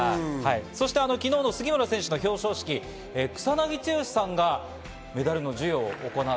そして昨日の杉村選手の表彰式、草なぎ剛さんが剛君が。